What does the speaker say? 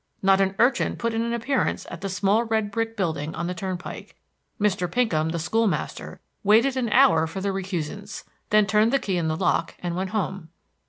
Not an urchin put in an appearance at the small red brick building on the turnpike. Mr. Pinkham, the school master, waited an hour for the recusants, then turned the key in the lock and went home.